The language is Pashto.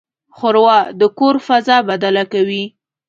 ښوروا د کور فضا بدله کوي.